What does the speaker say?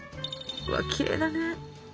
うわきれいだね。